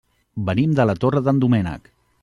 Venim de la Torre d'en Doménec.